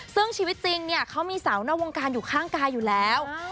ซึ่งชีวิตจริงเนี่ยเขามีสาวนอกวงการอยู่ข้างกายอยู่แล้ว